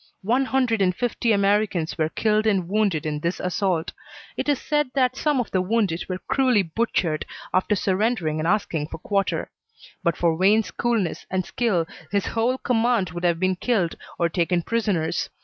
One hundred and fifty Americans were killed and wounded in this assault. It is said that some of the wounded were cruelly butchered after surrendering and asking for quarter. But for Wayne's coolness and skill his whole command would have been killed or taken prisoners.